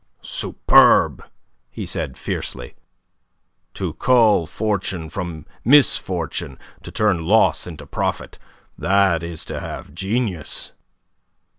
"Superb!" he said, fiercely. "To cull fortune from misfortune, to turn loss into profit, that is to have genius."